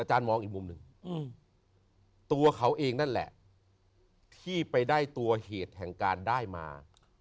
มองอีกมุมหนึ่งตัวเขาเองนั่นแหละที่ไปได้ตัวเหตุแห่งการได้มา